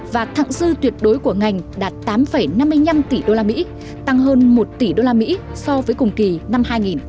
và thẳng dư tuyệt đối của ngành đạt tám năm mươi năm tỷ usd tăng hơn một tỷ usd so với cùng kỳ năm hai nghìn một mươi tám